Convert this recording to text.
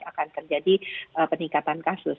akan terjadi peningkatan kasus